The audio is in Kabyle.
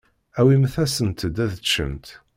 Awimt-asent-d ad ččent.